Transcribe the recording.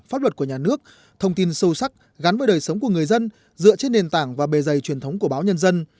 pháp luật của nhà nước thông tin sâu sắc gắn với đời sống của người dân dựa trên nền tảng và bề dày truyền thống của báo nhân dân